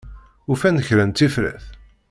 Ufan-d kra n tifrat?